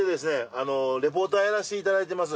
あのリポーターやらせていただいてます